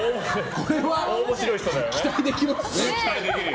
これは、期待できます。